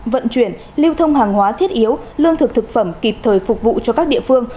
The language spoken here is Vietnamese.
vận chuyển lưu thông hàng hóa thiết yếu lương thực thực phẩm kịp thời phục vụ cho các địa phương